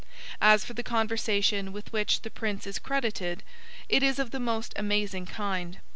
As for the conversation with which the Prince is credited, it is of the most amazing kind.